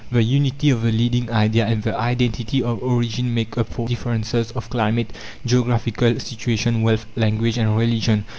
The unity of the leading idea and the identity of origin make up for differences of climate, geographical situation, wealth, language and religion.